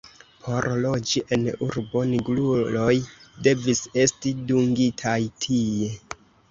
Por loĝi en urbo, nigruloj devis esti dungitaj tie.